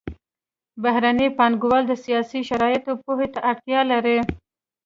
بهرني پانګوال د سیاسي شرایطو پوهې ته اړتیا لري